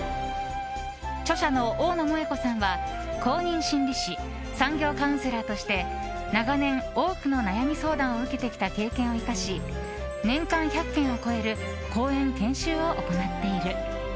著者の大野萌子さんは公認心理師産業カウンセラーとして長年、多くの悩み相談を受けてきた経験を生かし年間１００件を超える講演・研修を行っている。